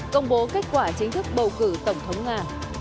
công bố kết quả chính thức bầu cử tổng thống nga